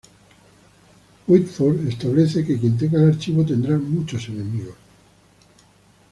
Whitford establece que quien tenga el archivo tendrá muchos enemigos.